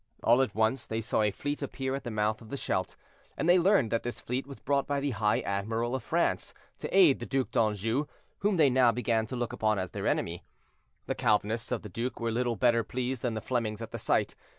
All at once they saw a fleet appear at the mouth of the Scheldt, and they learned that this fleet was brought by the high admiral of France, to aid the Duc d'Anjou, whom they now began to look upon as their enemy. The Calvinists of the duke were little better pleased than the Flemings at the sight.